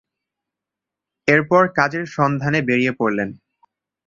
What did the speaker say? এরপর কাজের সন্ধানে বেড়িয়ে পড়লেন।